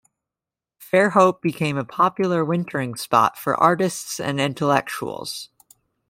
Fairhope became a popular wintering spot for artists and intellectuals.